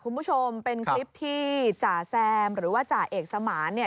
คุณผู้ชมเป็นคลิปที่จ่าแซมหรือว่าจ่าเอกสมานเนี่ย